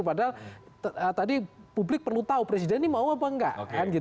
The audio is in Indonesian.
padahal tadi publik perlu tahu presiden ini mau apa enggak